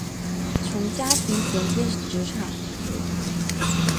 从家庭衔接职场